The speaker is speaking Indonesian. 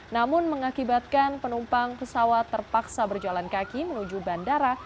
namun mengakibatkan penumpang pesawat terpaksa berjalan kaki menuju bandara